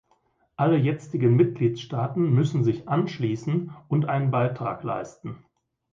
Alle jetzigen Mitgliedsstaaten müssen sich anschließen und einen Beitrag leisten.